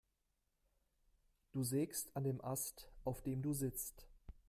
Du sägst an dem Ast, auf dem du sitzt.